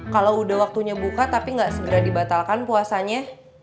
kalau udah waktunya buka tapi nggak segera dibatalkan puasanya